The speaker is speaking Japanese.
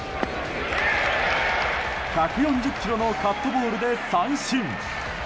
１４０キロのカットボールで三振！